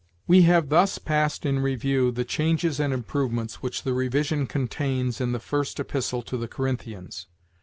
"We have thus passed in review the changes and improvements which the revision contains in the First Epistle to the Corinthians.